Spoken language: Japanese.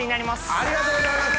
ありがとうございます！